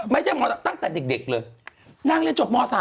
ไม่ได้ม๓ตั้งแต่เด็กเลย